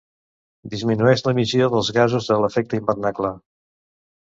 Disminueix l'emissió dels gasos de l'efecte hivernacle.